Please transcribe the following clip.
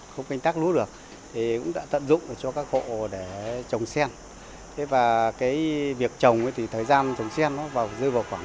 không canh tác lúa được thì cũng đã tận dụng cho các hộ để trồng